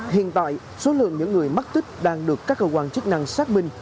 hiện tại số lượng những người mất tích đang được các cơ quan chức năng xác minh